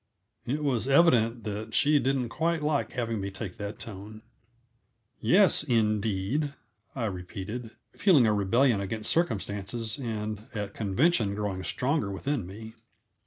It was evident that she didn't quite like having me take that tone. "Yes, 'indeed'!" I repeated, feeling a rebellion against circumstances and at convention growing stronger within me.